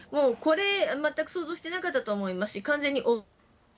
これ、全く想像してなかったと思いますし、完全に。